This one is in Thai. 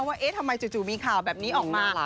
ว่าเอ๊ะทำไมจู่มีข่าวแบบนี้ออกมา